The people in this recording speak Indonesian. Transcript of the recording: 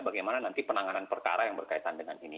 bagaimana nanti penanganan perkara yang berkaitan dengan ini